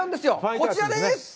こちらです。